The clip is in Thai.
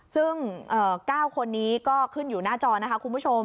ซึ่ง๙คนนี้ก็ขึ้นอยู่หน้าจอนะคะคุณผู้ชม